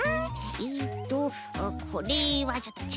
えっとこれはちょっとちがう。